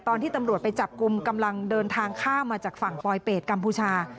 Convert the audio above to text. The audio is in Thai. ตอนที่ตำรวจไปจับกลุ่มกำลังเดินทางข้ามมาจากฝั่งปลอยเป็ดกัมพูชา